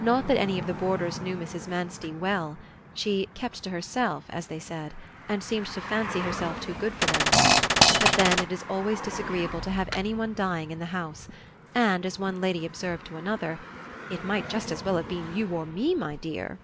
Not that any of the boarders knew Mrs. Manstey well; she "kept to herself," as they said, and seemed to fancy herself too good for them; but then it is always disagreeable to have anyone dying in the house and, as one lady observed to another: "It might just as well have been you or me, my dear."